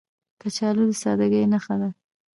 کچالو د سادګۍ نښه ده